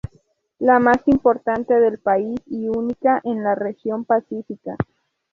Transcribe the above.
La más importante del país y única en la region Pacífica